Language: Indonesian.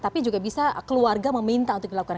tapi juga bisa keluarga meminta untuk dilakukan